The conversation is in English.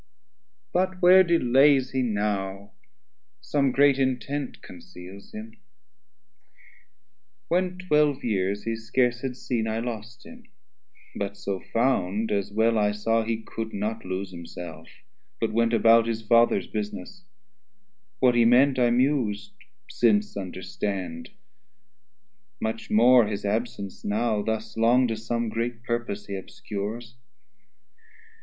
But where delays he now? some great intent Conceals him: when twelve years he scarce had seen, I lost him, but so found, as well I saw He could not lose himself; but went about His Father's business; what he meant I mus'd, Since understand; much more his absence now 100 Thus long to some great purpose he obscures.